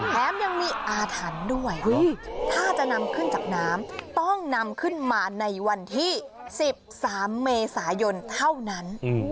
แถมยังมีอาถรรพ์ด้วยถ้าจะนำขึ้นจากน้ำต้องนำขึ้นมาในวันที่๑๓เมษายนเท่านั้น